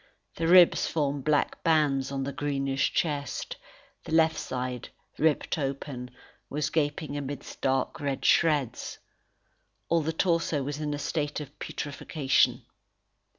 The ribs formed black bands on the greenish chest; the left side, ripped open, was gaping amidst dark red shreds. All the torso was in a state of putrefaction.